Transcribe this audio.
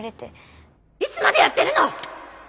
いつまでやってるの！